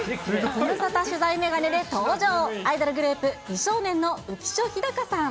ズムサタ取材眼鏡で登場、アイドルグループ、美少年の浮所飛貴さん。